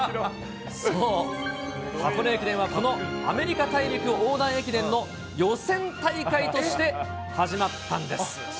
そう、箱根駅伝はアメリカ大陸横断駅伝の予選大会として始まったんです。